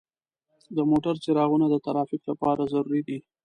د موټرو څراغونه د ترافیک لپاره ضروري دي.